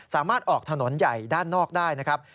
สามารถออกถนนใหญ่ด้านนอกได้นะครับ